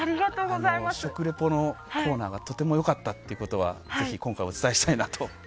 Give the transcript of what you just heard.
食リポのコーナーがとても良かったってことはぜひ今回お伝えしたいなと。